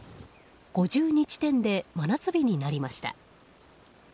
５２地点で真夏日になりました。